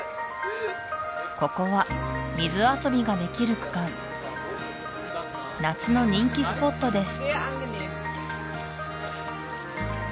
ここは水遊びができる区間夏の人気スポットです